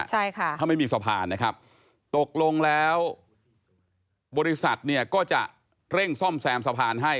ใช่ค่ะถ้าไม่มีสะพานนะครับตกลงแล้วบริษัทเนี่ยก็จะเร่งซ่อมแซมสะพานให้